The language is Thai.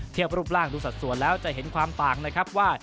รูปร่างดูสัดส่วนแล้วจะเห็นความต่างนะครับว่า